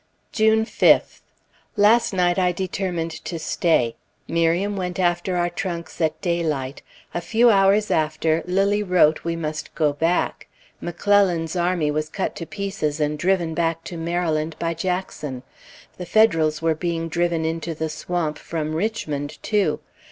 June 5th. Last night I determined to stay. Miriam went after our trunks at daylight. A few hours after, Lilly wrote we must go back. McClellan's army was cut to pieces and driven back to Maryland, by Jackson; the Federals were being driven into the swamp from Richmond, too.